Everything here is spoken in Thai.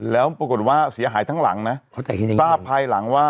แล้วปรากฏว่าเสียหายทั้งหลังนะเขาใจคิดยังไงทราบภัยหลังว่า